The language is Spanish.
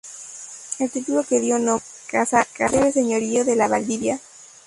El título que dio nombre a la casa es el Señorío de Valdivia.